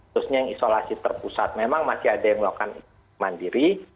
khususnya yang isolasi terpusat memang masih ada yang melakukan mandiri